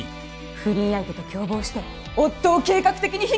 不倫相手と共謀して夫を計画的にひき殺したんです。